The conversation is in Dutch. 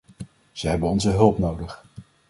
Ze hebben onze hulp nodig.